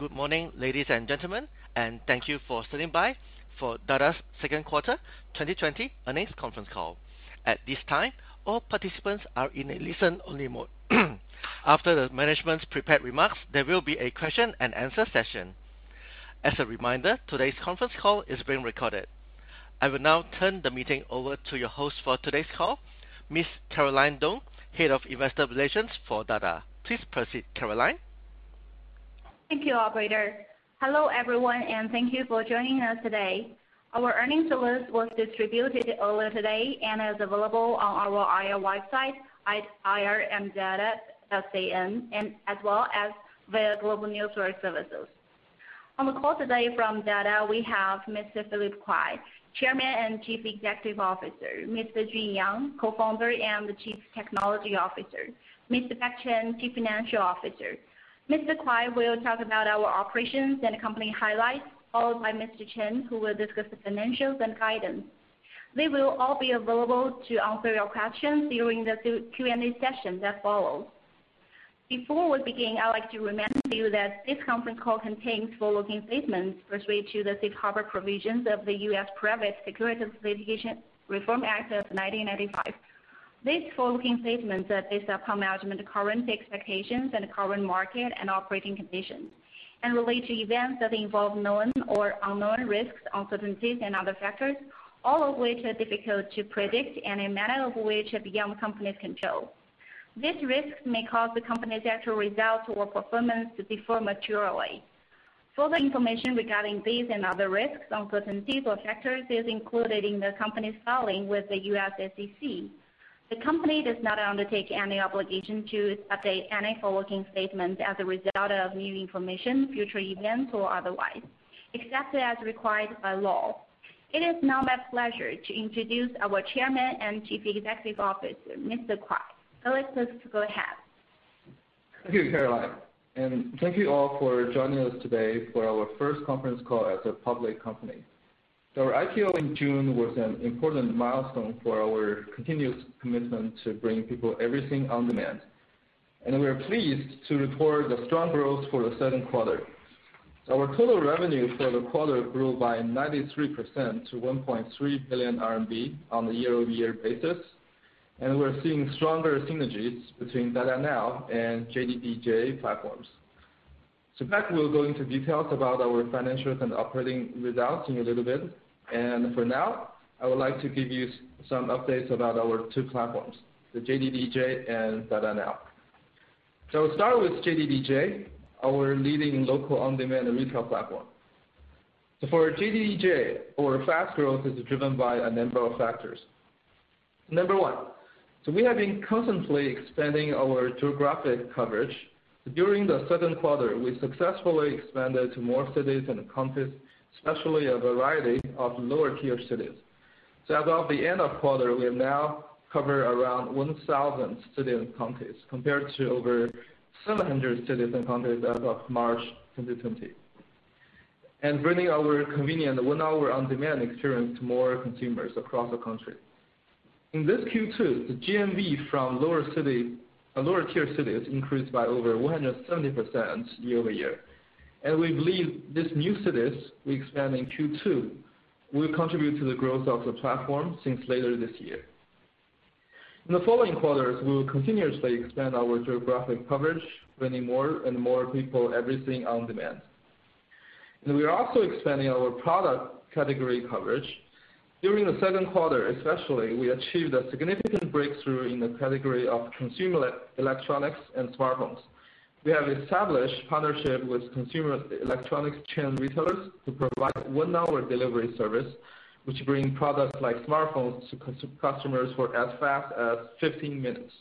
Good morning, ladies and gentlemen, and thank you for standing by for Dada's second quarter 2020 earnings conference call. At this time, all participants are in a listen-only mode. After the management's prepared remarks, there will be a question and answer session. As a reminder, today's conference call is being recorded. I will now turn the meeting over to your host for today's call, Ms. Caroline Dong, Head of Investor Relations for Dada. Please proceed, Caroline. Thank you, operator. Hello, everyone, thank you for joining us today. Our earnings release was distributed earlier today and is available on our IR website, ir.imdada.cn, and as well as via global news wire services. On the call today from Dada, we have Mr. Philip Kuai, Chairman and Chief Executive Officer, Mr. Jun Yang, Co-founder and the Chief Technology Officer, Mr. Beck Chen, Chief Financial Officer. Mr. Kuai will talk about our operations and company highlights, followed by Mr. Chen, who will discuss the financials and guidance. They will all be available to answer your questions during the Q&A session that follows. Before we begin, I'd like to remind you that this conference call contains forward-looking statements pursuant to the safe harbor provisions of the U.S. Litigation Reform Act of 1995.] These forward-looking statements that based upon management's current expectations and current market and operating conditions and relate to events that involve known or unknown risks, uncertainties, and other factors, all of which are difficult to predict and many of which are beyond the company's control. These risks may cause the company's actual results or performance to differ materially. Further information regarding these and other risks, uncertainties or factors is included in the company's filing with the U.S. SEC. The company does not undertake any obligation to update any forward-looking statements as a result of new information, future events, or otherwise, except as required by law. It is now my pleasure to introduce our Chairman and Chief Executive Officer, Mr. Kuai. Philip, please go ahead. Thank you, Caroline. Thank you all for joining us today for our first conference call as a public company. Our IPO in June was an important milestone for our continuous commitment to bring people everything on demand. We are pleased to report the strong growth for the second quarter. Our total revenue for the quarter grew by 93% to 1.3 billion RMB on a year-over-year basis. We're seeing stronger synergies between Dada Now and JDDJ platforms. Beck will go into details about our financials and operating results in a little bit. For now, I would like to give you some updates about our two platforms, the JDDJ and Dada Now. Start with JDDJ, our leading local on-demand retail platform. For JDDJ, our fast growth is driven by a number of factors. Number one, we have been constantly expanding our geographic coverage. During the second quarter, we successfully expanded to more cities and counties, especially a variety of lower-tier cities. At the end of quarter, we have now covered around 1,000 cities and counties compared to over 700 cities and counties as of March 2020, and bringing our convenient one-hour on-demand experience to more consumers across the country. In this Q2, the GMV from lower-tier cities increased by over 170% year-over-year. We believe these new cities we expand in Q2 will contribute to the growth of the platform since later this year. In the following quarters, we will continuously expand our geographic coverage, bringing more and more people everything on demand. We are also expanding our product category coverage. During the second quarter, especially, we achieved a significant breakthrough in the category of consumer electronics and smartphones. We have established partnership with consumer electronics chain retailers to provide one-hour delivery service, which bring products like smartphones to customers for as fast as 15 minutes.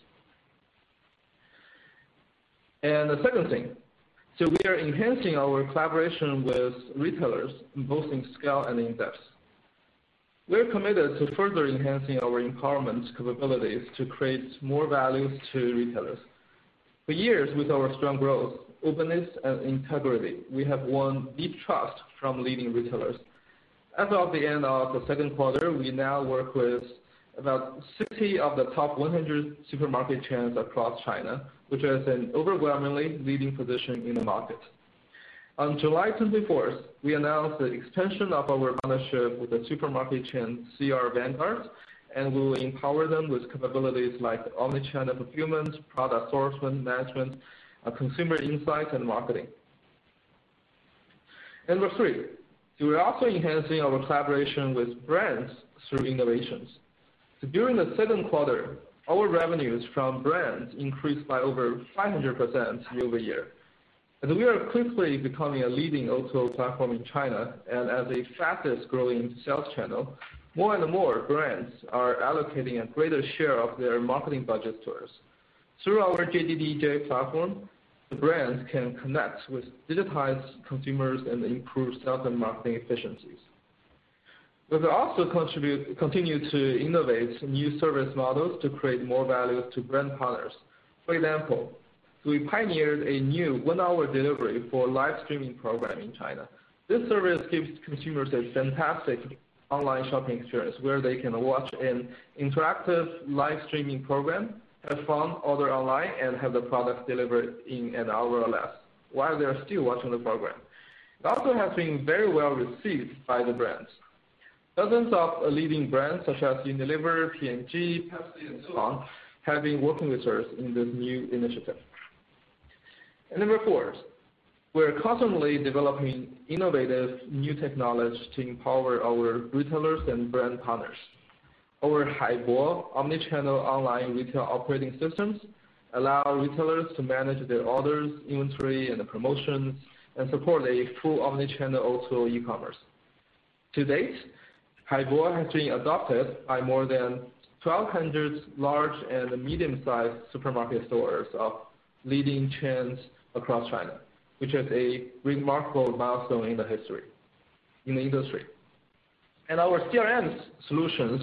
The second thing, we are enhancing our collaboration with retailers, both in scale and in depth. We're committed to further enhancing our empowerment capabilities to create more value to retailers. For years with our strong growth, openness, and integrity, we have won deep trust from leading retailers. As of the end of the second quarter, we now work with about 60 of the top 100 supermarket chains across China, which has an overwhelmingly leading position in the market. On July 24th, we announced the extension of our partnership with the supermarket chain CR Vanguard, and we will empower them with capabilities like omnichannel fulfillment, product assortment, management, consumer insight, and marketing. Number three, we're also enhancing our collaboration with brands through innovations. During the second quarter, our revenues from brands increased by over 500% year-over-year. We are quickly becoming a leading O2O platform in China. As the fastest growing sales channel, more and more brands are allocating a greater share of their marketing budget to us. Through our JDDJ platform, the brands can connect with digitized consumers and improve sales and marketing efficiencies. We will also continue to innovate new service models to create more value to brand partners. For example, we pioneered a new one-hour delivery for live streaming program in China. This service gives consumers a fantastic online shopping experience where they can watch an interactive live streaming program, have fun, order online, and have the product delivered in an hour or less while they're still watching the program. It also has been very well received by the brands. Dozens of leading brands such as Unilever, P&G, Pepsi and so on, have been working with us in this new initiative. Number four, we're constantly developing innovative new technology to empower our retailers and brand partners. Our Haibo omni-channel online retail operating systems allow retailers to manage their orders, inventory, and promotions, and support a full omni-channel O2O e-commerce. To date, Haibo has been adopted by more than 1,200 large and medium-sized supermarket stores of leading chains across China, which is a remarkable milestone in the industry. Our CRM solutions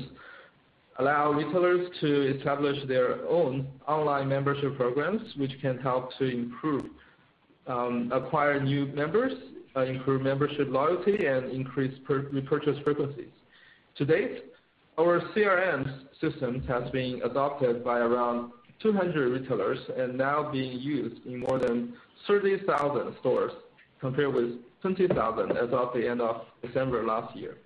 allow retailers to establish their own online membership programs, which can help to acquire new members, improve membership loyalty, and increase purchase frequencies. To date, our CRM system has been adopted by around 200 retailers, and now being used in more than 30,000 stores, compared with 20,000 as of the end of December last year.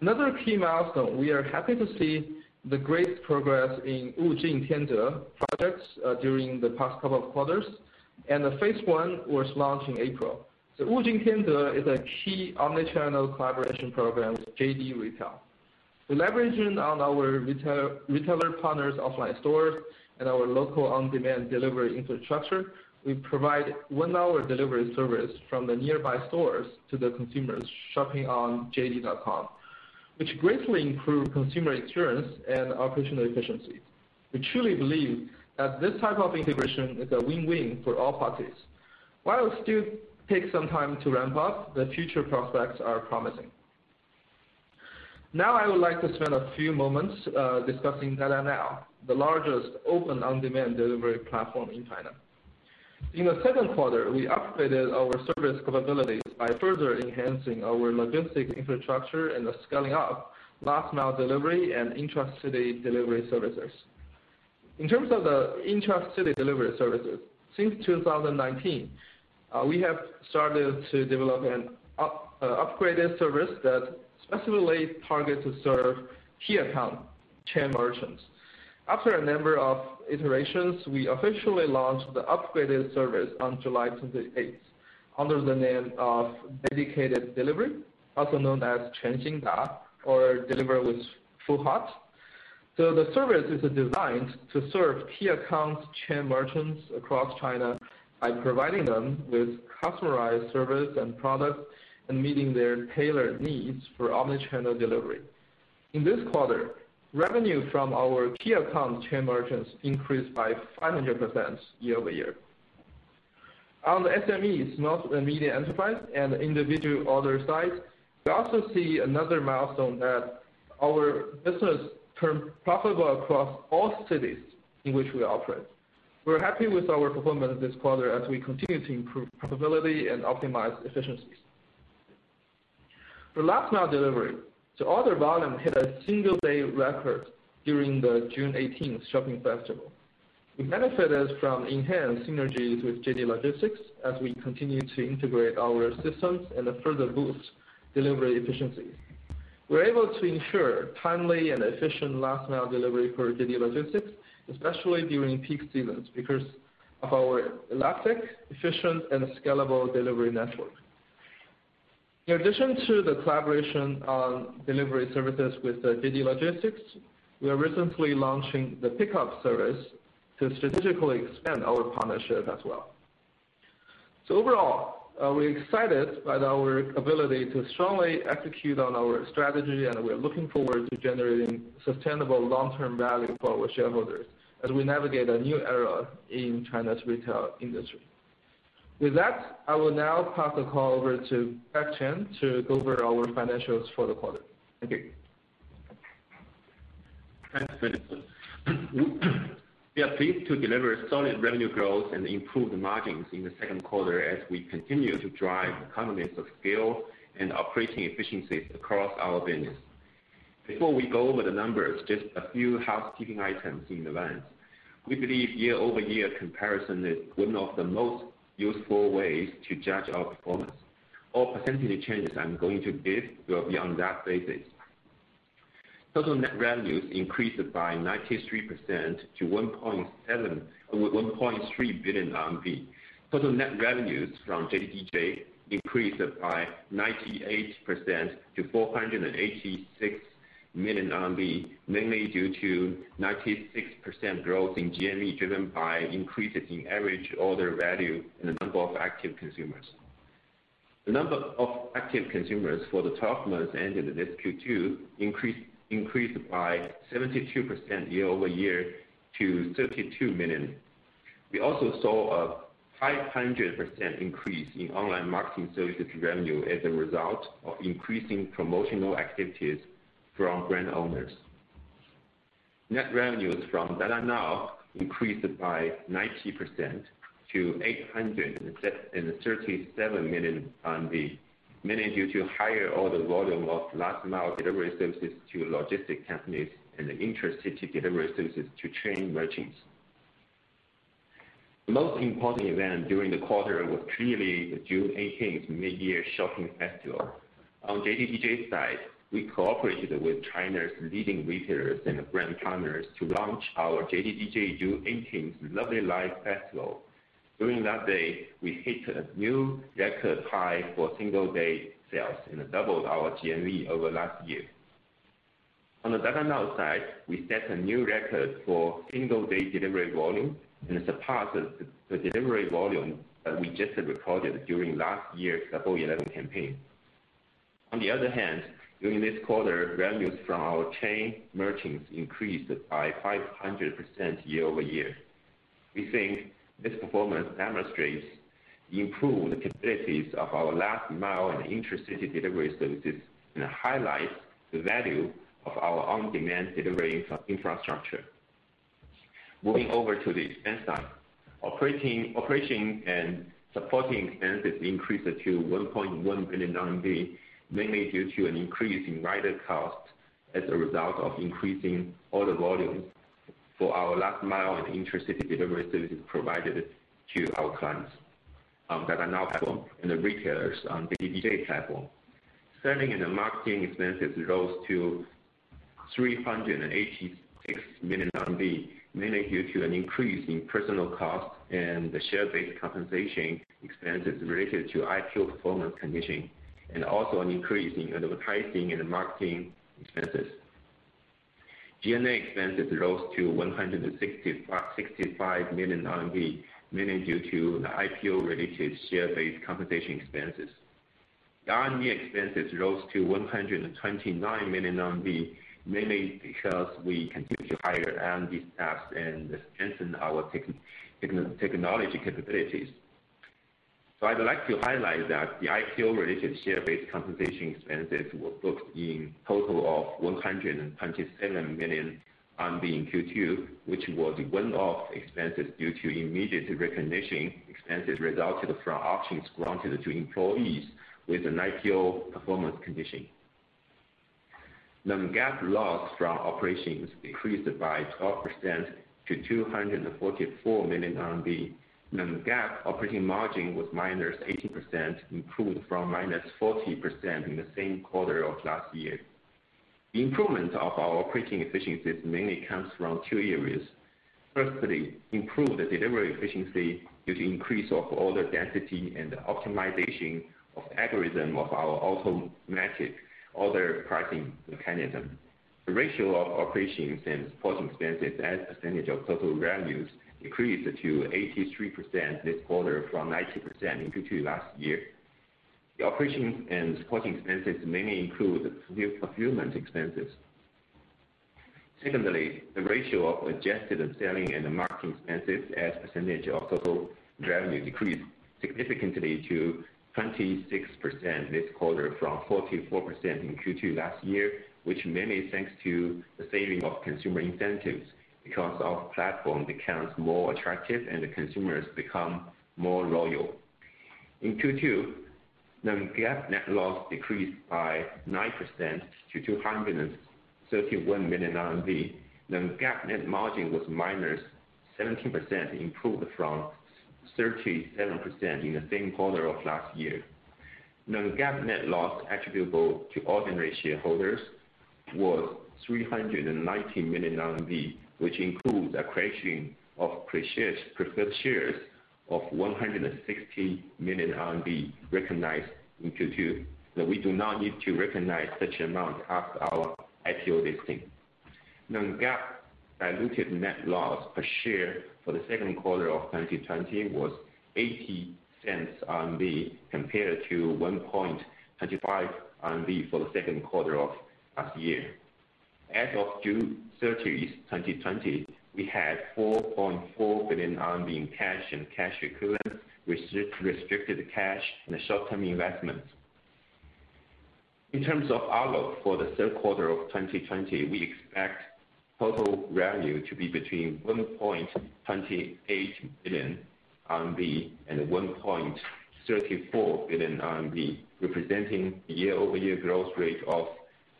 Another key milestone, we are happy to see the great progress in Wujing Tianze products during the past couple of quarters, the phase I was launched in April. Wujing Tianze is a key omni-channel collaboration program with JD Retail. We're leveraging on our retailer partners' offline stores and our local on-demand delivery infrastructure. We provide 1-hour delivery service from the nearby stores to the consumers shopping on JD.com, which greatly improve consumer experience and operational efficiency. We truly believe that this type of integration is a win-win for all parties. While it still takes some time to ramp up, the future prospects are promising. I would like to spend a few moments discussing Dada Now, the largest open on-demand delivery platform in China. In the second quarter, we upgraded our service capabilities by further enhancing our logistics infrastructure and the scaling up of last-mile delivery and intra-city delivery services. In terms of the intra-city delivery services, since 2019, we have started to develop an upgraded service that specifically targets to serve key account chain merchants. After a number of iterations, we officially launched the upgraded service on July 28th, under the name of Dedicated Delivery, also known as Quanxin Da, or 'Deliver with Full Heart'. The service is designed to serve key account chain merchants across China by providing them with customized service and products, and meeting their tailored needs for omni-channel delivery. In this quarter, revenue from our key account chain merchants increased by 500% year-over-year. On the SMEs, small and medium enterprise, and individual order side, we also see another milestone that our business turned profitable across all cities in which we operate. We're happy with our performance this quarter as we continue to improve profitability and optimize efficiencies. For last-mile delivery, the order volume hit a single-day record during the 618 Shopping Festival. We benefited from enhanced synergies with JD Logistics as we continue to integrate our systems and further boost delivery efficiency. We're able to ensure timely and efficient last-mile delivery for JD Logistics, especially during peak seasons because of our elastic, efficient and scalable delivery network. In addition to the collaboration on delivery services with JD Logistics, we are recently launching the pickup service to strategically expand our partnership as well. Overall, we're excited by our ability to strongly execute on our strategy, and we're looking forward to generating sustainable long-term value for our shareholders as we navigate a new era in China's retail industry. With that, I will now pass the call over to Beck Chen to go over our financials for the quarter. Thank you. Thanks, Philip. We are pleased to deliver solid revenue growth and improved margins in the second quarter as we continue to drive economies of scale and operating efficiencies across our business. Before we go over the numbers, just a few housekeeping items in advance. We believe year-over-year comparison is one of the most useful ways to judge our performance. All percentage changes I'm going to give will be on that basis. Total net revenues increased by 93% to 1.3 billion RMB. Total net revenues from JDDJ increased by 98% to 486 million RMB, mainly due to 96% growth in GMV driven by increases in average order value and the number of active consumers. The number of active consumers for the 12 months ended in this Q2 increased by 72% year-over-year to 32 million. We also saw a 500% increase in online marketing services revenue as a result of increasing promotional activities from brand owners. Net revenues from Dada Now increased by 90% to 837 million, mainly due to higher order volume of last-mile delivery services to logistics companies and the intra-city delivery services to chain merchants. The most important event during the quarter was clearly the June 18th mid-year shopping festival. On JDDJ side, we cooperated with China's leading retailers and brand partners to launch our JDDJ June 18th Lovely Life Festival. During that day, we hit a new record high for single-day sales and doubled our GMV over last year. On the Dada Now side, we set a new record for single-day delivery volume and surpassed the delivery volume that we just recorded during last year's Double 11 campaign. On the other hand, during this quarter, revenues from our chain merchants increased by 500% year-over-year. We think this performance demonstrates improved capabilities of our last-mile and intracity delivery services and highlights the value of our on-demand delivery infrastructure. Moving over to the expense side. Operating and supporting expenses increased to 1.1 billion RMB, mainly due to an increase in rider costs as a result of increasing order volume for our last mile and intracity delivery services provided to our clients on Dada Now platform, and the retailers on JDDJ platform. Selling and marketing expenses rose to 386 million RMB, mainly due to an increase in personal cost and the share-based compensation expenses related to IPO performance condition, and also an increase in advertising and marketing expenses. G&A expenses rose to 165 million RMB, mainly due to the IPO-related share-based compensation expenses. The R&D expenses rose to 129 million, mainly because we continue to hire R&D staff and strengthen our technology capabilities. I'd like to highlight that the IPO-related share-based compensation expenses were booked in total of 127 million RMB in Q2, which was a one-off expense due to immediate recognition expenses resulted from options granted to employees with an IPO performance condition. Non-GAAP loss from operations decreased by 12% to 244 million RMB. Non-GAAP operating margin was -18%, improved from -40% in the same quarter of last year. The improvement of our operating efficiencies mainly comes from two areas. Firstly, improved delivery efficiency due to increase of order density and optimization of algorithm of our automatic order pricing mechanism. The ratio of operations and support expenses as a percentage of total revenues increased to 83% this quarter from 90% in Q2 last year. The operations and support expenses mainly include fulfillment expenses. Secondly, the ratio of adjusted selling and marketing expenses as a percentage of total revenue decreased significantly to 26% this quarter from 44% in Q2 last year, which mainly thanks to the saving of consumer incentives because our platform becomes more attractive and the consumers become more loyal. In Q2, Non-GAAP net loss decreased by 9% to 231 million RMB. Non-GAAP net margin was -17%, improved from 37% in the same quarter of last year. Non-GAAP net loss attributable to ordinary shareholders was 390 million RMB, which includes accretion of preferred shares of 160 million RMB recognized in Q2 that we do not need to recognize such amount after our IPO listing. Non-GAAP diluted net loss per share for the second quarter of 2020 was 0.80, compared to 1.25 RMB for the second quarter of last year. As of June 30th, 2020, we had 4.4 billion RMB in cash and cash equivalents with restricted cash and short-term investments. In terms of outlook for the third quarter of 2020, we expect total revenue to be between 1.28 billion RMB and 1.34 billion RMB, representing year-over-year growth rate of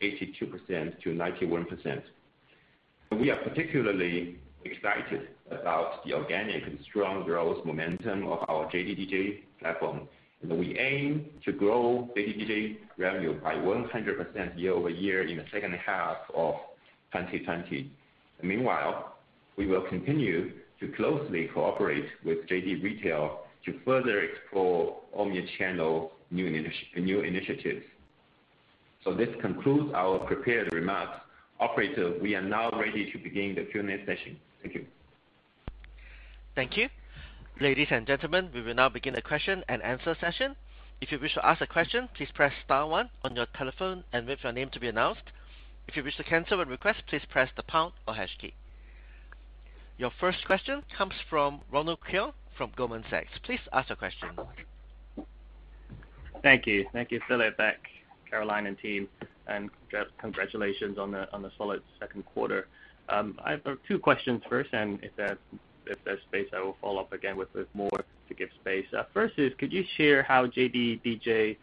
82%-91%. We are particularly excited about the organic and strong growth momentum of our JDDJ platform. We aim to grow JDDJ revenue by 100% year-over-year in the second half of 2020. Meanwhile, we will continue to closely cooperate with JD Retail to further explore omni-channel new initiatives. This concludes our prepared remarks. Operator, we are now ready to begin the Q&A session. Thank you. Thank you. Ladies and gentlemen, we will now begin the question-and-answer session. Your first question comes from Ronald Keung from Goldman Sachs. Please ask your question. Thank you. Thank you, Philip, Caroline, and team, and congratulations on the solid second quarter. I've got two questions first. If there's space, I will follow up again with more to give space. First is, could you share how JDDJ,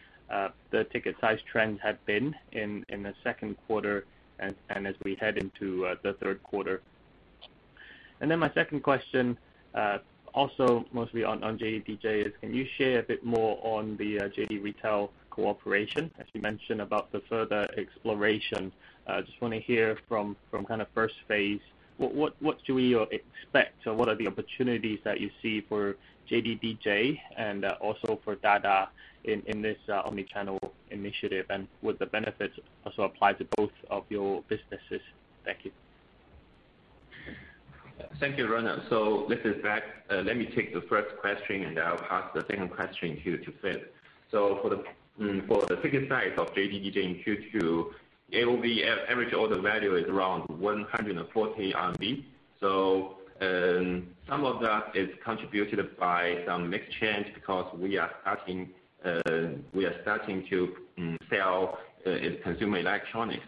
the ticket size trends have been in the second quarter and as we head into the third quarter? My second question, also mostly on JDDJ is, can you share a bit more on the JD Retail cooperation, as you mentioned about the further exploration? I just want to hear from kind of first phase, what should we expect or what are the opportunities that you see for JDDJ and also for Dada in this omnichannel initiative? Would the benefits also apply to both of your businesses? Thank you. Thank you, Ronald. This is Beck. Let me take the first question, and I'll pass the second question to Phil. For the ticket size of JDDJ in Q2, AOV, average order value, is around 140 RMB. Some of that is contributed by some mix change because we are starting to sell consumer electronics.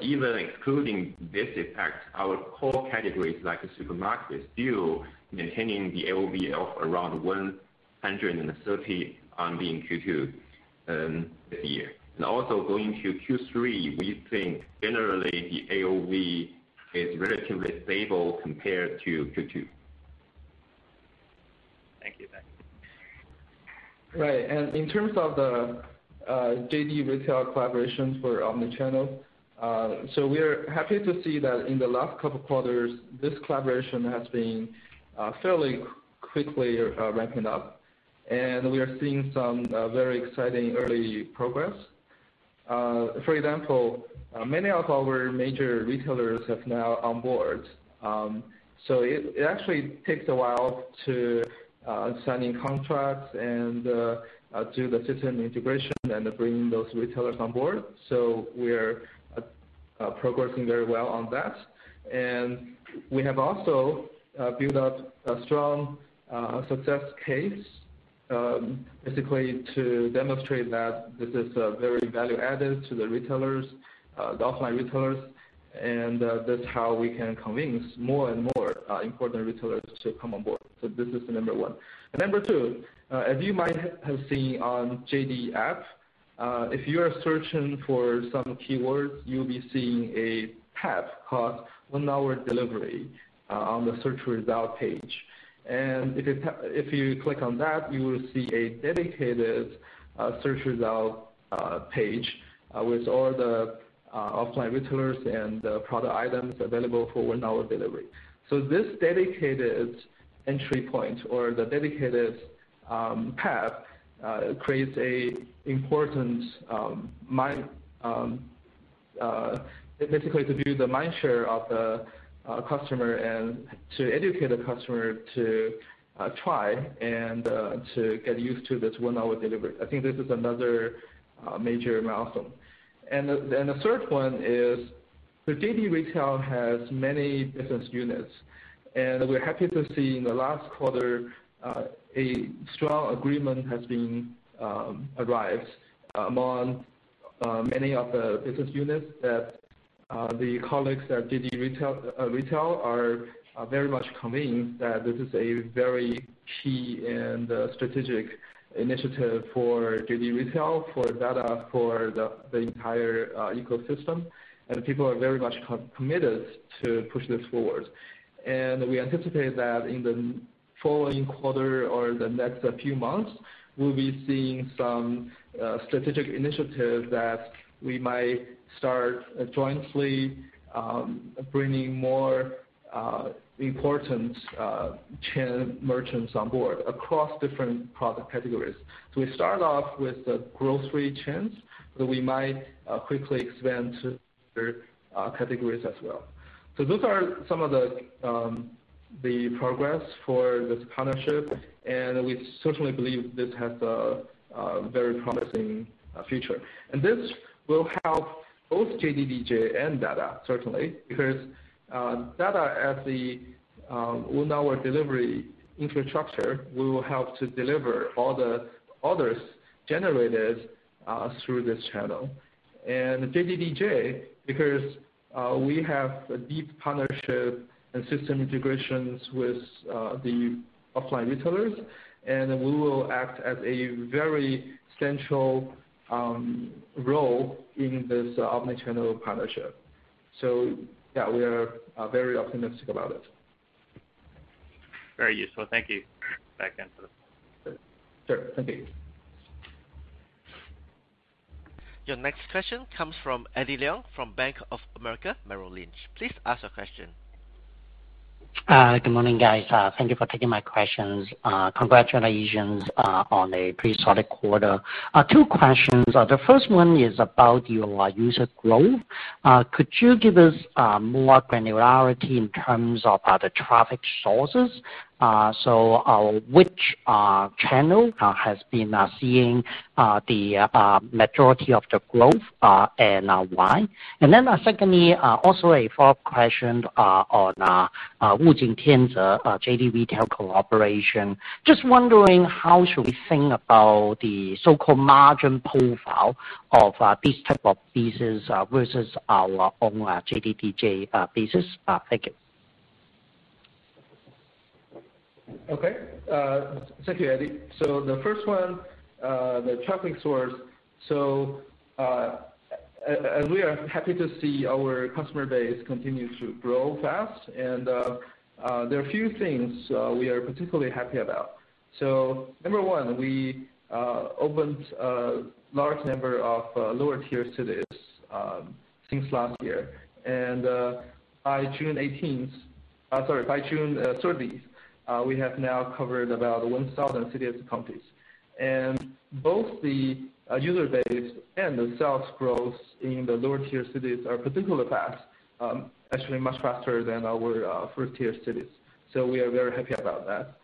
Even excluding this effect, our core categories, like supermarkets, still maintaining the AOV of around 130 in Q2 this year. Going to Q3, we think generally the AOV is relatively stable compared to Q2. Thank you, Beck. Right. In terms of the JD Retail collaborations for omnichannel, we're happy to see that in the last couple of quarters, this collaboration has been fairly quickly ramping up, and we are seeing some very exciting early progress. For example, many of our major retailers have now onboarded. It actually takes a while to signing contracts and do the system integration and bringing those retailers on board. We're progressing very well on that. We have also built up a strong success case, basically to demonstrate that this is very value-added to the retailers, the offline retailers, and that's how we can convince more and more important retailers to come on board. This is number one. Number two, as you might have seen on JD app, if you are searching for some keywords, you'll be seeing a tab called one-hour delivery on the search result page. If you click on that, you will see a dedicated search result page with all the offline retailers and product items available for one-hour delivery. This dedicated entry point or the dedicated path creates a important Basically to build the mind share of the customer and to educate a customer to try and to get used to this one-hour delivery. I think this is another major milestone. The third one is, JD Retail has many business units, and we're happy to see in the last quarter, a strong agreement has been arrived among many of the business units that the colleagues at JD Retail are very much convinced that this is a very key and strategic initiative for JD Retail, for Dada, for the entire ecosystem. People are very much committed to push this forward. We anticipate that in the following quarter or the next few months, we'll be seeing some strategic initiatives that we might start jointly, bringing more important merchants on board across different product categories. We start off with the grocery chains, but we might quickly expand to other categories as well. Those are some of the progress for this partnership, and we certainly believe this has a very promising future. This will help both JDDJ and Dada, certainly, because Dada, as the one-hour delivery infrastructure, will help to deliver all the orders generated through this channel. JDDJ, because we have a deep partnership and system integrations with the offline retailers, and we will act as a very central role in this omnichannel partnership. Yeah, we are very optimistic about it. Very useful. Thank you. Beck Chen. Sure. Thank you. Your next question comes from Eddie Leung from Bank of America Merrill Lynch. Please ask your question. Good morning, guys. Thank you for taking my questions. Congratulations on a pretty solid quarter. Two questions. The first one is about your user growth. Could you give us more granularity in terms of the traffic sources? Which channel has been seeing the majority of the growth, and why? Secondly, also a follow-up question on Wujing Tianze JD Retail cooperation. Just wondering how should we think about the so-called margin profile of these type of pieces versus our own JDDJ pieces. Thank you. Okay. Thank you, Eddie. The first 1, the traffic source. We are happy to see our customer base continue to grow fast, and there are a few things we are particularly happy about. Number one, we opened a large number of lower-tier cities since last year. By June 30, we have now covered about 1,000 city and counties. Both the user base and the sales growth in the lower-tier cities are particularly fast, actually much faster than our first-tier cities, so we are very happy about that.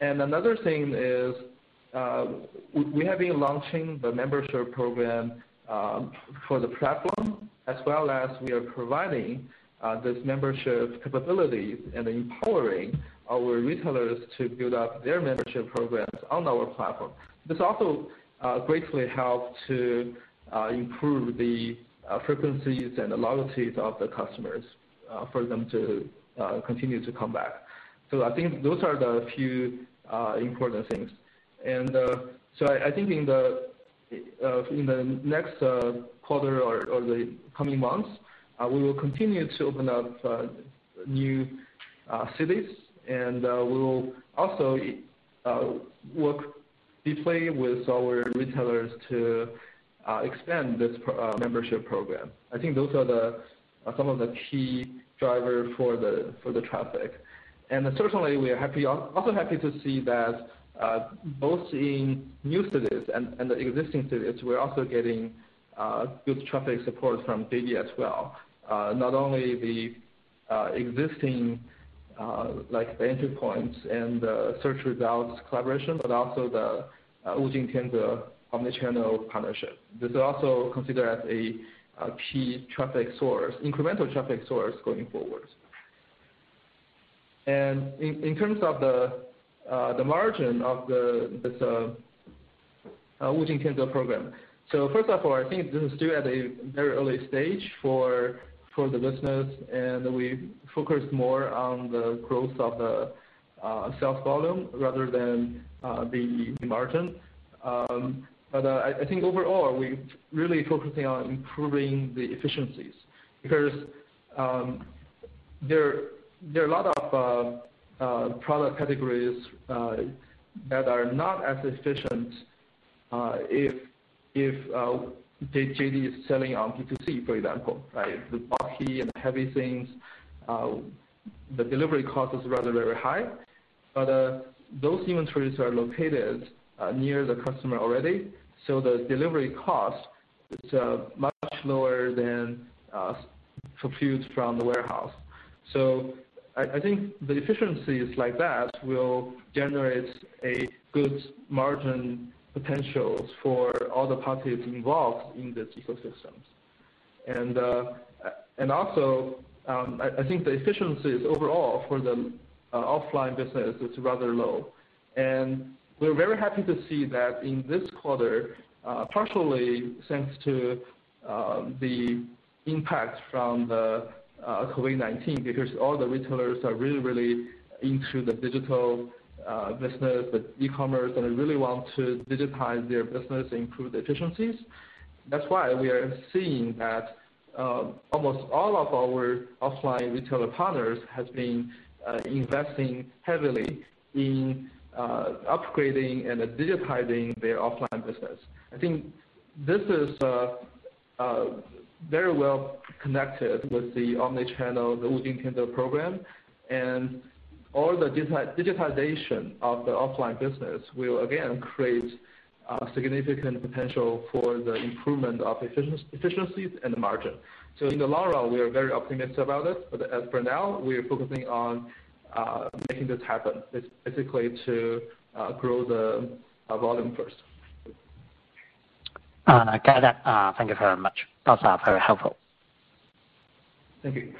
Another thing is we have been launching the membership program for the platform, as well as we are providing this membership capability and empowering our retailers to build up their membership programs on our platform. This also greatly helps to improve the frequencies and the loyalties of the customers for them to continue to come back. I think those are the few important things. I think in the next quarter or the coming months, we will continue to open up new cities, and we will also work deeply with our retailers to expand this membership program. I think those are some of the key drivers for the traffic. Certainly, we are also happy to see that both in new cities and the existing cities, we're also getting good traffic support from JD as well. Not only the existing entry points and the search results collaboration, but also the Wujing Tianze omnichannel partnership. This is also considered as a key traffic source, incremental traffic source going forward. In terms of the margin of this Wujing Tianze program. First of all, I think this is still at a very early stage for the business, and we focus more on the growth of the sales volume rather than the margin. I think overall, we're really focusing on improving the efficiencies, because there are a lot of product categories that are not as efficient if JD is selling on B2C, for example, right? The bulky and heavy things, the delivery cost is rather, very high. Those inventories are located near the customer already, so the delivery cost is much lower than for goods from the warehouse. I think the efficiencies like that will generate a good margin potentials for all the parties involved in this ecosystem. Also, I think the efficiencies overall for the offline business is rather low. We are very happy to see that in this quarter, partially thanks to the impact from the COVID-19, because all the retailers are really into the digital business, the e-commerce, and they really want to digitize their business, improve the efficiencies. That's why we are seeing that almost all of our offline retailer partners have been investing heavily in upgrading and digitizing their offline business. I think this is very well connected with the omni-channel, the Wujing Tianze program. All the digitization of the offline business will again create significant potential for the improvement of efficiencies and the margin. In the long run, we are very optimistic about it. As for now, we are focusing on making this happen. It's basically to grow the volume first. Got that. Thank you very much. Those are very helpful. Thank you.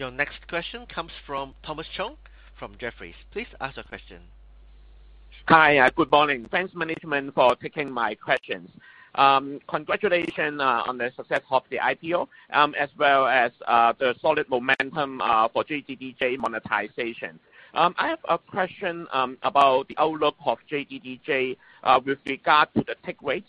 Your next question comes from Thomas Chong from Jefferies. Please ask the question. Hi, good morning. Thanks, management, for taking my questions. Congratulations on the success of the IPO, as well as the solid momentum for JDDJ monetization. I have a question about the outlook of JDDJ with regard to the take rate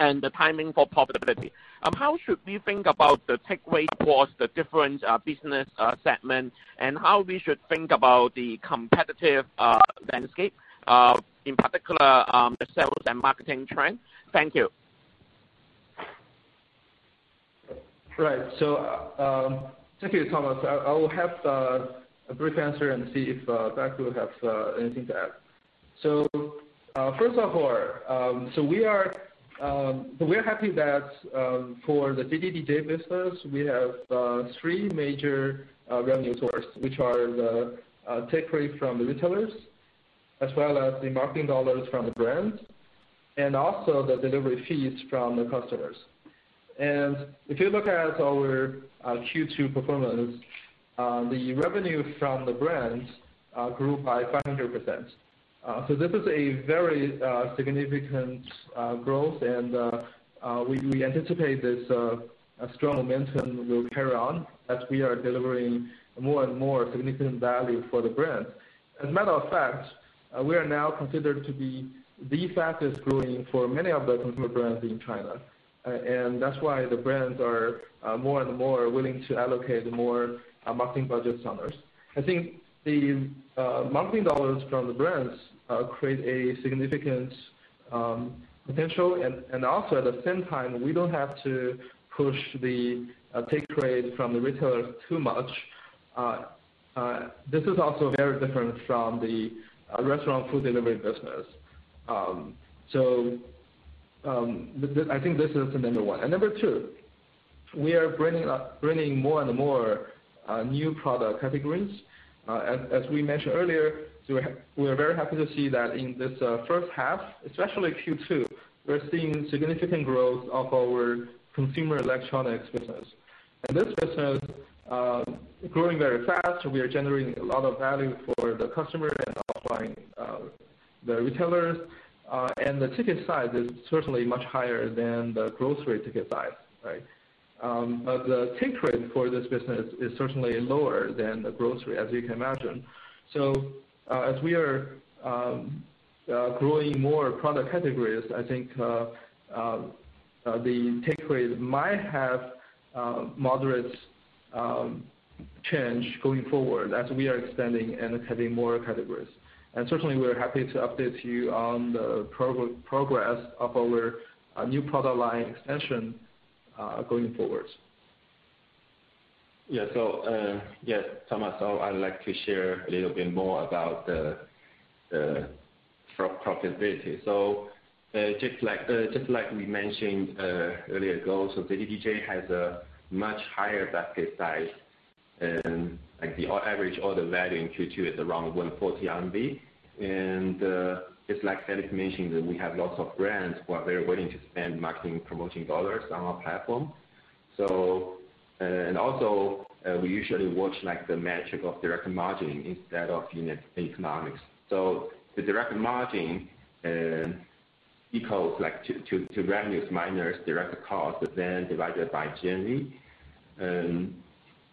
and the timing for profitability. How should we think about the take rate for the different business segments, and how we should think about the competitive landscape, in particular, the sales and marketing trend? Thank you. Right. Thank you, Thomas. I will have a brief answer and see if Daguo has anything to add. First of all, we're happy that for the JDDJ business, we have three major revenue source, which are the take rate from the retailers, as well as the marketing dollars from the brand, and also the delivery fees from the customers. If you look at our Q2 performance, the revenue from the brands grew by 500%. So this is a very significant growth, and we anticipate this strong momentum will carry on as we are delivering more and more significant value for the brand. As a matter of fact, we are now considered to be the fastest-growing for many of the consumer brands in China. That's why the brands are more and more willing to allocate more marketing budgets on us. I think the marketing dollars from the brands create a significant potential, and also at the same time, we don't have to push the take rate from the retailer too much. This is also very different from the restaurant food delivery business. I think this is number one. Number two, we are bringing more and more new product categories. As we mentioned earlier, we are very happy to see that in this first half, especially Q2, we're seeing significant growth of our consumer electronics business. This business is growing very fast. We are generating a lot of value for the customer and offline the retailers. The ticket size is certainly much higher than the grocery ticket size, right. The take rate for this business is certainly lower than the grocery, as you can imagine. As we are growing more product categories, I think the take rate might have a moderate change going forward as we are expanding and having more categories. Certainly, we're happy to update you on the progress of our new product line expansion going forward. Thomas, I'd like to share a little bit more about the profitability. Just like we mentioned earlier, JDDJ has a much higher basket size, and the average order value in Q2 is around 140 RMB. Just like Philip mentioned, we have lots of brands who are very willing to spend marketing and promotion RMB on our platform. We usually watch the metric of direct margin instead of unit economics. The direct margin equals to revenues minus direct cost, then divided by GMV.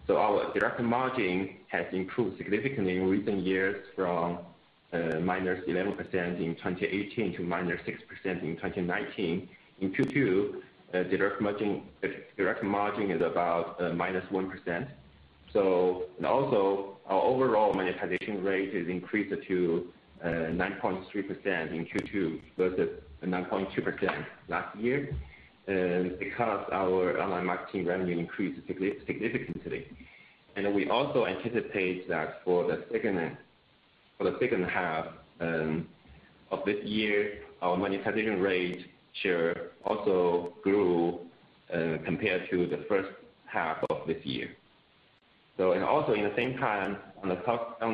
Our direct margin has improved significantly in recent years from -11% in 2018 to -6% in 2019. In Q2, direct margin is about -1%. Our overall monetization rate has increased to 9.3% in Q2 versus 9.2% last year because our online marketing revenue increased significantly. We also anticipate that for the second half of this year, our monetization rate share also grew compared to the first half of this year. Also in the same time, on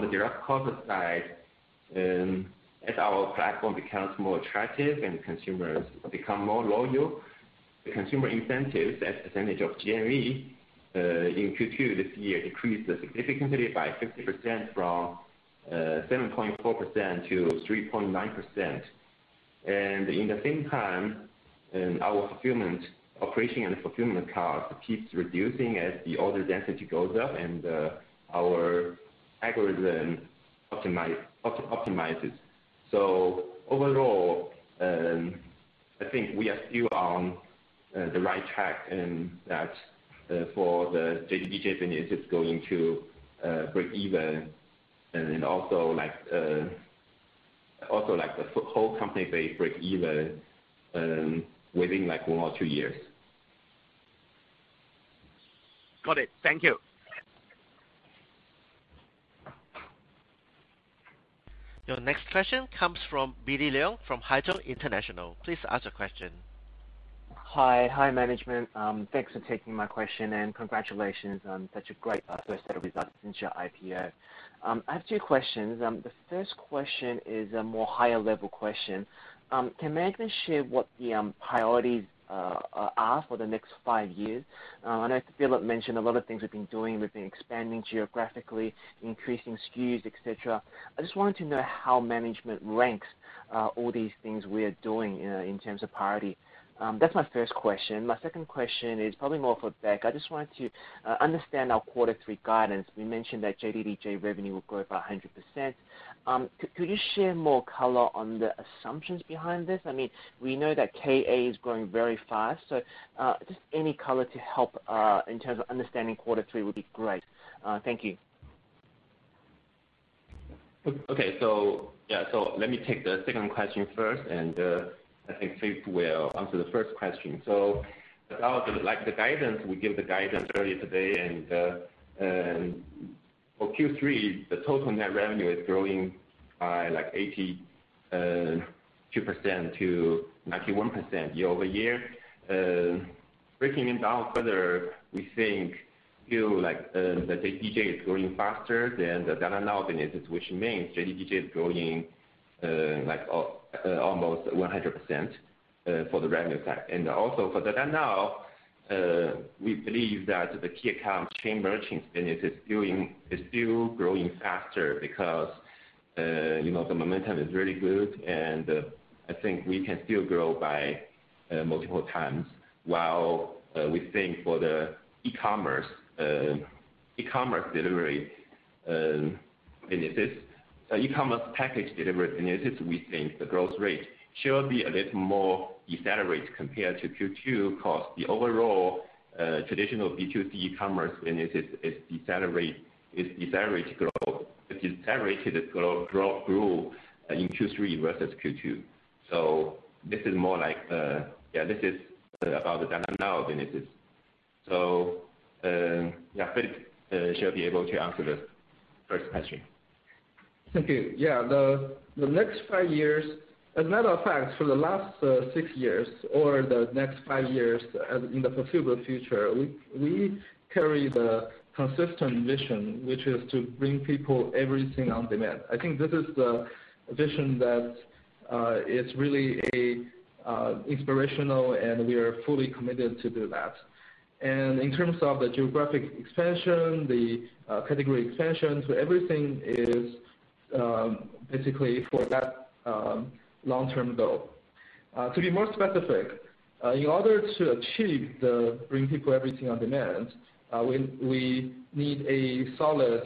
the direct cost side, as our platform becomes more attractive and consumers become more loyal, the consumer incentives as a percentage of GMV in Q2 this year decreased significantly by 50% from 7.4% to 3.9%. In the same time, our fulfillment operation and fulfillment cost keeps reducing as the order density goes up and our algorithm optimizes. Overall, I think we are still on the right track, and that for the JDDJ business is going to break even and also the whole company may break even within one or two years. Got it. Thank you. Your next question comes from B D Leung from Haitong International. Please ask your question. Hi management. Thanks for taking my question, and congratulations on such a great first set of results since your IPO. I have two questions. The first question is a more higher-level question. Can management share what the priorities are for the next five years? I know Philip mentioned a lot of things we've been doing. We've been expanding geographically, increasing SKUs, et cetera. I just wanted to know how management ranks all these things we are doing in terms of priority. That's my first question. My second question is probably more for Beck. I just wanted to understand our quarter three guidance. We mentioned that JDDJ revenue will grow by 100%. Could you share more color on the assumptions behind this? We know that KA is growing very fast, so just any color to help in terms of understanding quarter three would be great. Thank you. Okay, let me take the second question first, and I think Philip will answer the first question. For Q3, the total net revenue is growing by 82%- 91% year-over-year. Breaking it down further, we think still the JDDJ is growing faster than the Dada Nexus, which means JDDJ is growing almost 100% for the revenue side. For Dada Now, we believe that the key account chain merchants business is still growing faster because the momentum is really good, and I think we can still grow by multiple times. We think for the e-commerce package delivery businesses, we think the growth rate should be a bit more accelerated compared to Q2, because the overall traditional B2C e-commerce business is accelerated growth grew in Q3 versus Q2. This is about the Dada Now businesses. Yeah, Philip should be able to answer this first question. Thank you. Yeah. As a matter of fact, for the last six years or the next five years in the foreseeable future, we carry the consistent vision, which is to bring people everything on demand. I think this is the vision that it's really inspirational, and we are fully committed to do that. In terms of the geographic expansion, the category expansion, everything is basically for that long-term goal. To be more specific, in order to achieve the bring people everything on demand, we need a solid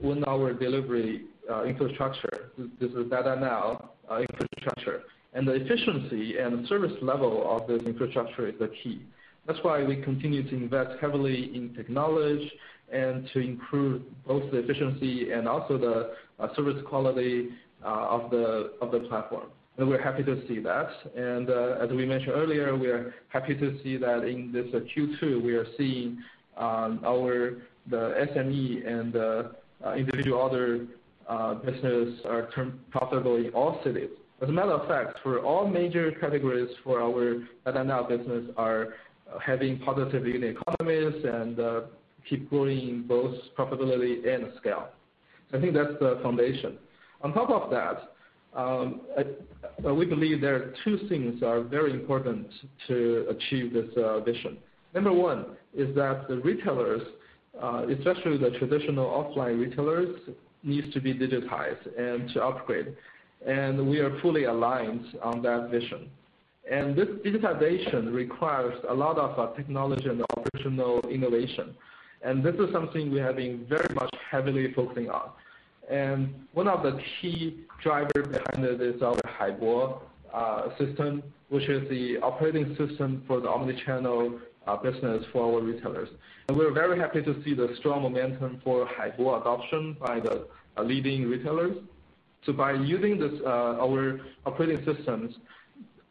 one-hour delivery infrastructure. This is Dada Now infrastructure. The efficiency and service level of this infrastructure is the key. That's why we continue to invest heavily in technology and to improve both the efficiency and also the service quality of the platform. We're happy to see that. As we mentioned earlier, we are happy to see that in this Q2, we are seeing the SME and the individual order businesses are turn profitable also. As a matter of fact, for all major categories for our Dada Now business are having positive unit economies and keep growing both profitability and scale. I think that's the foundation. On top of that, we believe there are two things that are very important to achieve this vision. Number 1 is that the retailers, especially the traditional offline retailers, needs to be digitized and to upgrade. We are fully aligned on that vision. This digitization requires a lot of technology and operational innovation. This is something we have been very much heavily focusing on. One of the key drivers behind it is our Haibo system, which is the operating system for the omni-channel business for our retailers. We're very happy to see the strong momentum for Haibo adoption by the leading retailers. By using our operating systems,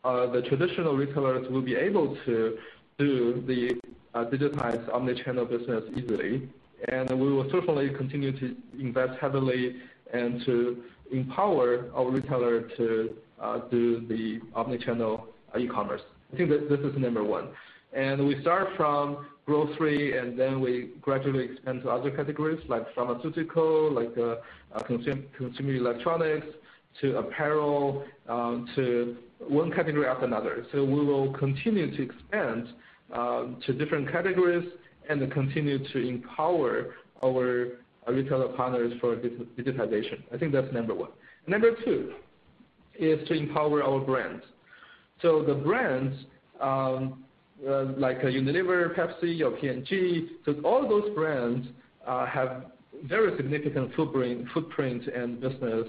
the traditional retailers will be able to do the digitized omni-channel business easily, and we will certainly continue to invest heavily and to empower our retailer to do the omni-channel e-commerce. I think this is number one. We start from grocery, and then we gradually expand to other categories like pharmaceutical, like consumer electronics, to apparel, to one category after another. We will continue to expand to different categories and continue to empower our retailer partners for digitization. I think that's number one. Number two is to empower our brands. The brands, like Unilever, Pepsi, or P&G, all those brands have very significant footprint and business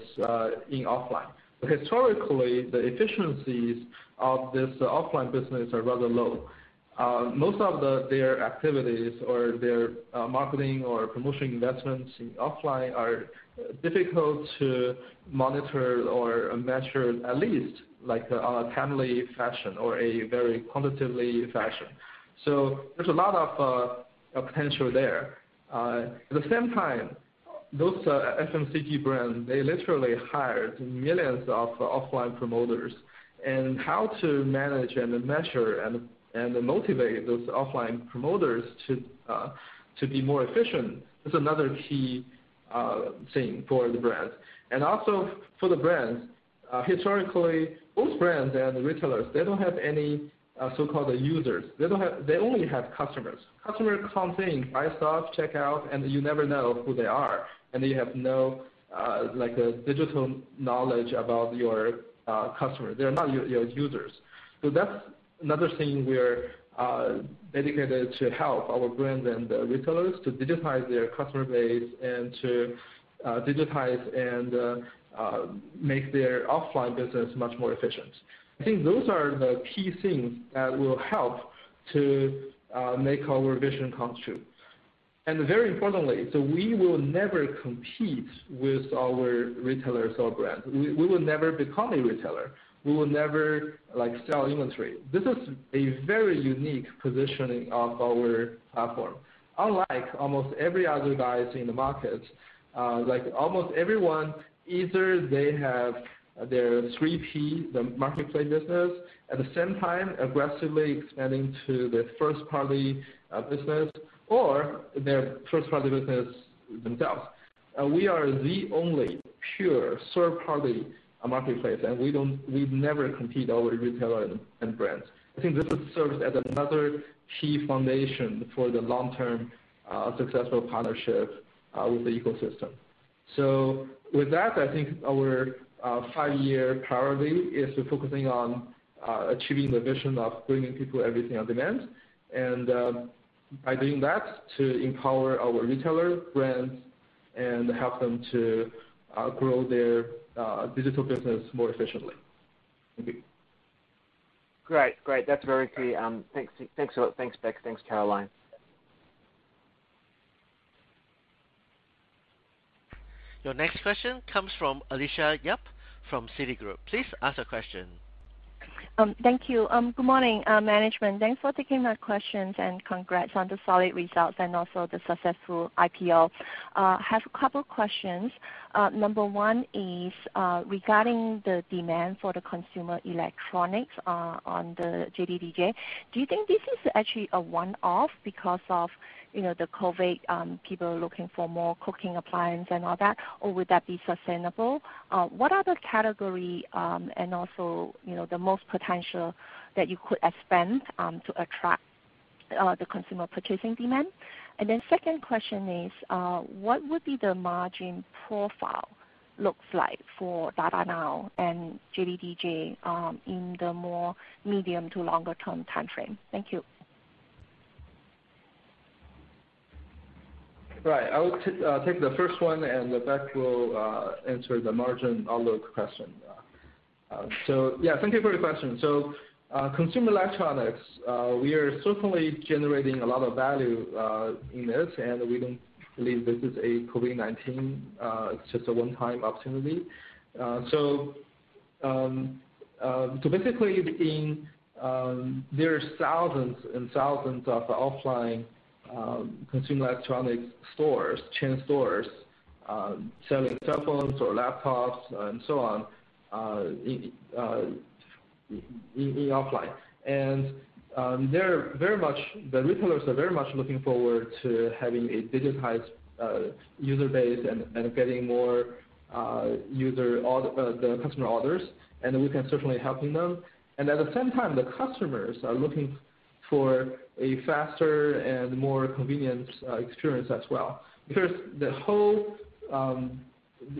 in offline. Historically, the efficiencies of this offline business are rather low. Most of their activities or their marketing or promotion investments in offline are difficult to monitor or measure, at least like on a timely fashion or a very quantitative fashion. There's a lot of potential there. At the same time, those FMCG brands, they literally hired millions of offline promoters and how to manage and measure and motivate those offline promoters to be more efficient is another key thing for the brand. For the brands, historically, those brands and the retailers, they don't have any so-called users. They only have customers. Customers come in, buy stuff, check out, you never know who they are. You have no digital knowledge about your customer. They're not your users. That's another thing we're dedicated to help our brands and retailers to digitize their customer base and to digitize and make their offline business much more efficient. I think those are the key things that will help to make our vision come true. Very importantly, we will never compete with our retailers or brands. We will never become a retailer. We will never sell inventory. This is a very unique positioning of our platform. Unlike almost every other guys in the market, like almost everyone, either they have their 3P, the marketplace business, at the same time, aggressively expanding to their first-party business or their first-party business themselves. We are the only pure third-party marketplace, and we've never compete our retailer and brands. I think this serves as another key foundation for the long-term successful partnership with the ecosystem. With that, I think our five-year priority is focusing on achieving the vision of bringing people everything on demand. By doing that, to empower our retailer brands and help them to grow their digital business more efficiently. Thank you. Great. That's very clear. Thanks, Beck. Thanks, Caroline. Your next question comes from Alicia Yap from Citigroup. Please ask your question. Thank you. Good morning, management. Thanks for taking my questions, and congrats on the solid results and also the successful IPO. I have a couple questions. Number one is regarding the demand for the consumer electronics on the JDDJ. Do you think this is actually a one-off because of the COVID, people are looking for more cooking appliance and all that, or would that be sustainable? What other category and also the most potential that you could expand to attract the consumer purchasing demand? Second question is, what would be the margin profile look like for Dada Now and JDDJ in the more medium to longer-term timeframe? Thank you. Right. I will take the first one, then Beck will answer the margin outlook question. Yeah, thank you for the question. Consumer electronics, we are certainly generating a lot of value in this, and we don't believe this is a COVID-19, it's just a one-time opportunity. Basically, there are thousands and thousands of offline consumer electronic stores, chain stores, selling cell phones or laptops and so on in offline. The retailers are very much looking forward to having a digitized user base and getting more customer orders, and we can certainly helping them. At the same time, the customers are looking for a faster and more convenient experience as well. The whole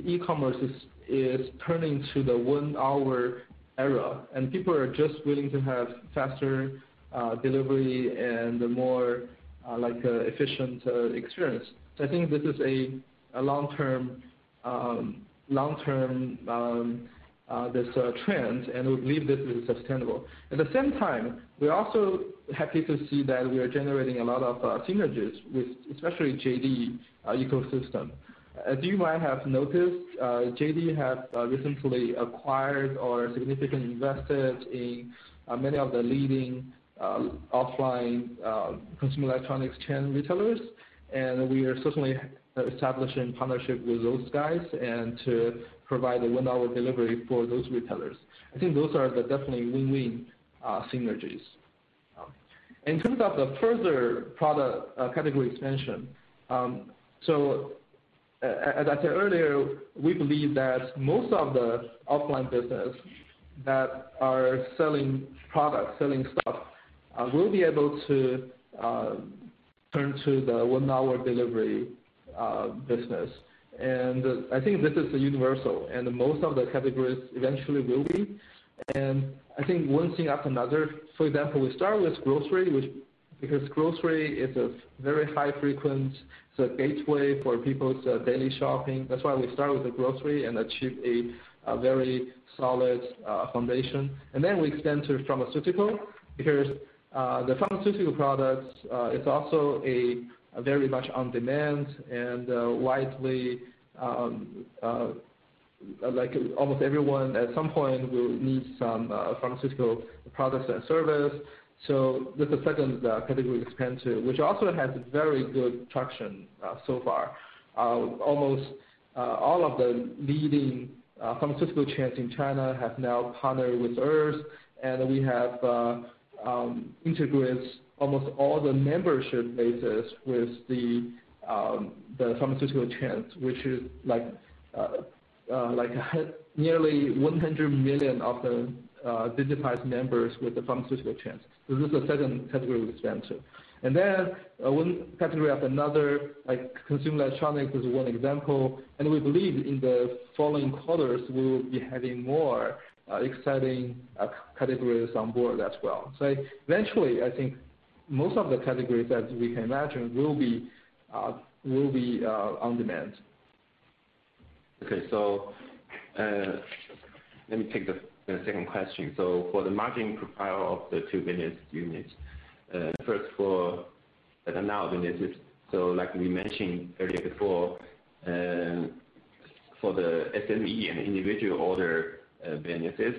e-commerce is turning to the one hour era, and people are just willing to have faster delivery and a more efficient experience. I think this is a long-term trend, and we believe this is sustainable. At the same time, we're also happy to see that we are generating a lot of synergies with especially JD ecosystem. As you might have noticed, JD have recently acquired or significantly invested in many of the leading offline consumer electronics chain retailers, and we are certainly establishing partnership with those guys and to provide a one-hour delivery for those retailers. I think those are the definitely win-win synergies. In terms of the further product category expansion, as I said earlier, we believe that most of the offline business that are selling products, selling stuff, will be able to turn to the one-hour delivery business. I think this is universal, and most of the categories eventually will be. I think one thing after another, for example, we start with grocery, because grocery is a very high frequency, it's a gateway for people's daily shopping. That's why we start with the grocery and achieve a very solid foundation. Then we extend to pharmaceutical, because the pharmaceutical products, it's also a very much on demand and almost everyone at some point will need some pharmaceutical products and service. That's the second category we expand to, which also has very good traction so far. Almost all of the leading pharmaceutical chains in China have now partnered with us, and we have integrated almost all the membership bases with the pharmaceutical chains, which is nearly 100 million of the digitized members with the pharmaceutical chains. This is the second category we expand to. One category after another, like consumer electronics is one example, and we believe in the following quarters, we will be having more exciting categories on board as well. Eventually, I think most of the categories that we can imagine will be on demand. Okay. Let me take the second question. For the margin profile of the two business units. First, for the Dada Now business. Like we mentioned earlier before, for the SME and individual order businesses,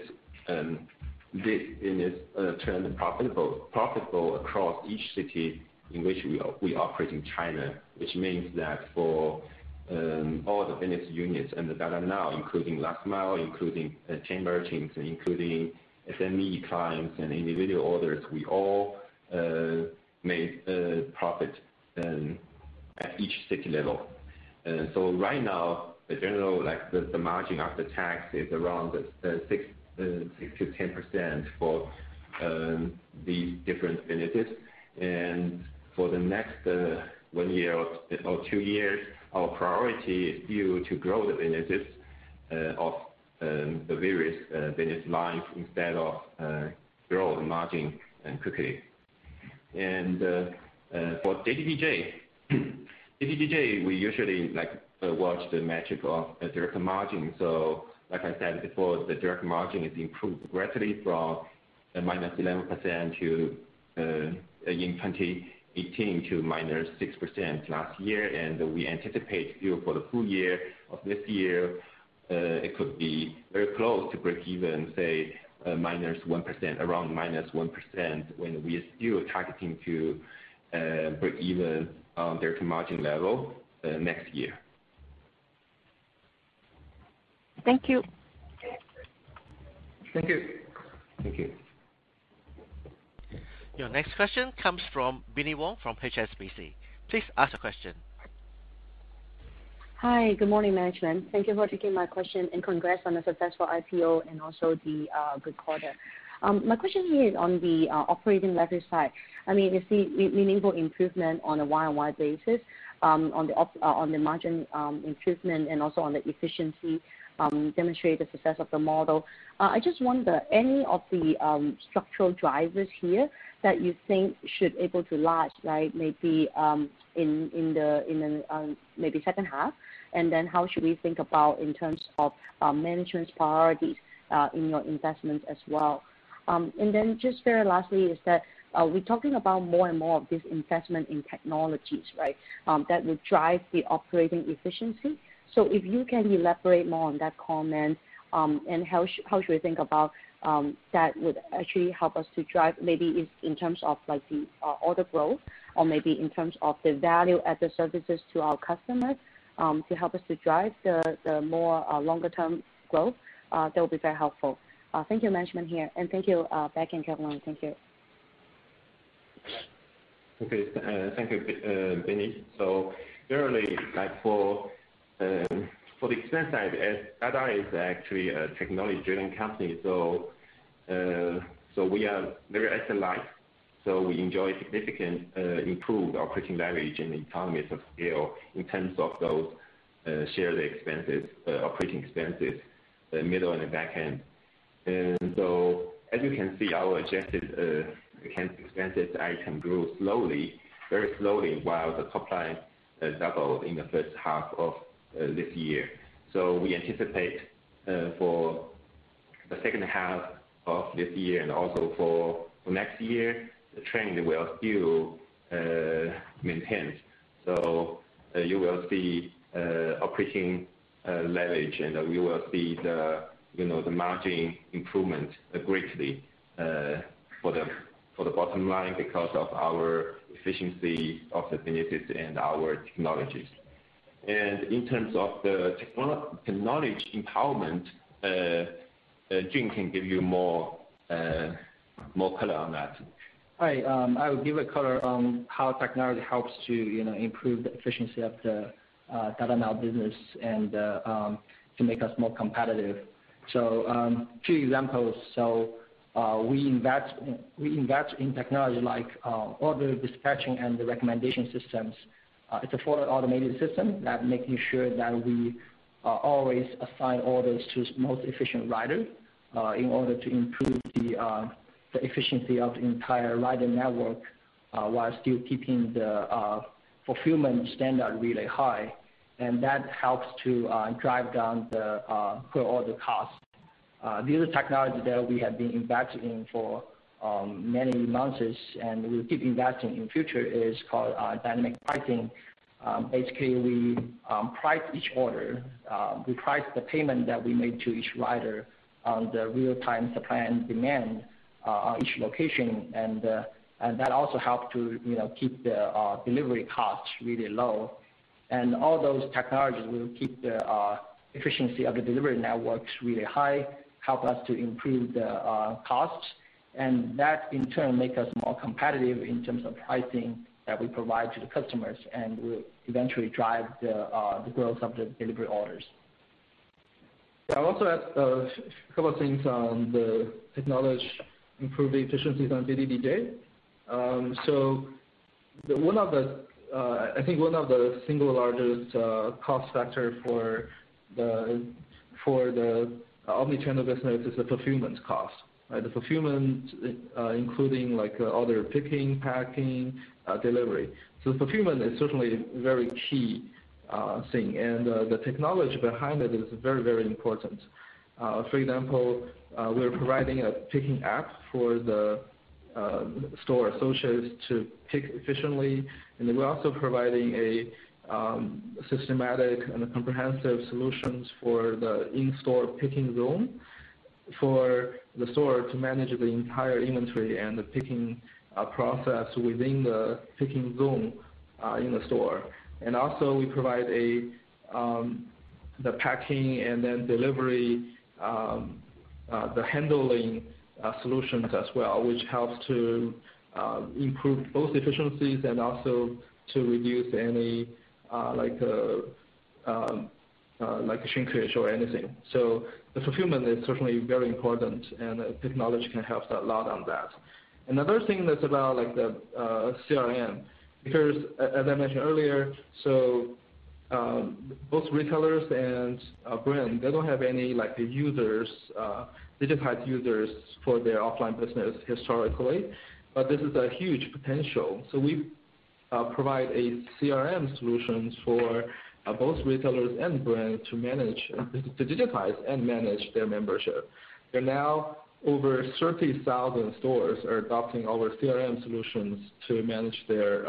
this business turned profitable across each city in which we operate in China, which means that for all the business units and the Dada Now, including last mile, including chain merchants, including SME clients and individual orders, we all made a profit at each city level. Right now, the general margin after tax is around 6%-10% for the different businesses. For the next one year or two years, our priority is still to grow the businesses of the various business lines instead of grow the margin quickly. For JDDJ, we usually like to watch the metric of direct margin. Like I said before, the direct margin is improved gradually from a -11% in 2018 to -6% last year, and we anticipate still for the full-year of this year it could be very close to breakeven, say, -1%, around -1%, when we are still targeting to breakeven on direct margin level next year. Thank you. Thank you. Your next question comes from Binnie Wong from HSBC. Please ask the question. Hi, good morning, management. Thank you for taking my question and congrats on a successful IPO and also the good quarter. My question here is on the operating leverage side. I mean, you see meaningful improvement on a Y-on-Y basis, on the margin improvement and also on the efficiency demonstrate the success of the model. I just wonder any of the structural drivers here that you think should able to last, maybe in the maybe second half. How should we think about in terms of management's priorities in your investments as well? Just very lastly, is that are we talking about more and more of this investment in technologies, that will drive the operating efficiency? If you can elaborate more on that comment, and how should we think about that would actually help us to drive maybe it's in terms of the order growth or maybe in terms of the value added services to our customers, to help us to drive the more longer term growth, that would be very helpful. Thank you, management here, and thank you Beck and Caroline. Thank you. Okay. Thank you, Binnie. Generally, for the expense side, as Dada is actually a technology-driven company, we are very asset-light. We enjoy significant improved operating leverage and economies of scale in terms of those shared operating expenses, the middle and the back end. As you can see, our adjusted expenses item grew slowly, very slowly, while the top line doubled in the first half of this year. We anticipate for the second half of this year and also for next year, the trend will still maintain. You will see operating leverage, and you will see the margin improvement greatly for the bottom line because of our efficiency of the business and our technologies. In terms of the technology empowerment, Jun can give you more color on that. Hi, I will give a color on how technology helps to improve the efficiency of the Dada Now business and to make us more competitive. Two examples. We invest in technology like order dispatching and the recommendation systems. It's a fully automated system that making sure that we always assign orders to the most efficient rider in order to improve the efficiency of the entire rider network, while still keeping the fulfillment standard really high, and that helps to drive down the per order cost. The other technology that we have been investing in for many months and we will keep investing in future is called dynamic pricing. Basically, we price each order. We price the payment that we made to each rider on the real-time supply and demand on each location. That also help to keep the delivery costs really low. All those technologies will keep the efficiency of the delivery networks really high, help us to improve the costs, and that, in turn, make us more competitive in terms of pricing that we provide to the customers and will eventually drive the growth of the delivery orders. I also have a couple of things on the technology improving efficiencies on JDDJ. I think one of the single largest cost factor for the omni-channel business is the fulfillment cost. The fulfillment including order picking, packing, delivery. Fulfillment is certainly a very key thing, and the technology behind it is very, very important. For example, we're providing a picking app for the store associates to pick efficiently, and then we're also providing a systematic and comprehensive solutions for the in-store picking zone for the store to manage the entire inventory and the picking process within the picking zone in the store. Also we provide the packing and then delivery, the handling solutions as well, which helps to improve both efficiencies and also to reduce any shrinkage or anything. The fulfillment is certainly very important, and technology can help a lot on that. Another thing that's about the CRM, because as I mentioned earlier, both retailers and brand, they don't have any digitized users for their offline business historically. This is a huge potential. We provide a CRM solutions for both retailers and brand to digitize and manage their membership. There are now over 30,000 stores are adopting our CRM solutions to manage their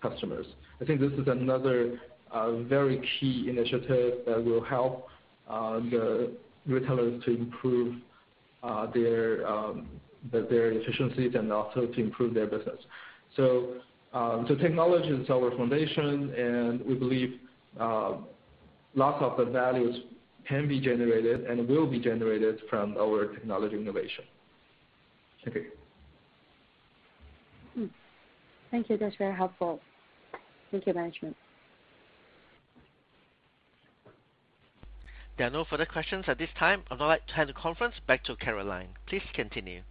customers. I think this is another very key initiative that will help the retailers to improve their efficiencies and also to improve their business. Technology is our foundation, and we believe lots of the values can be generated and will be generated from our technology innovation. Thank you. Thank you. That is very helpful. Thank you, management. There are no further questions at this time. I'd now like to hand the conference back to Caroline. Please continue.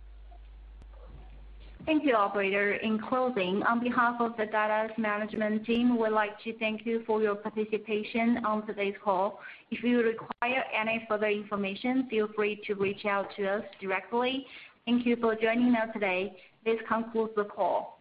Thank you, operator. In closing, on behalf of Dada's management team, we'd like to thank you for your participation on today's call. If you require any further information, feel free to reach out to us directly. Thank you for joining us today. This concludes the call.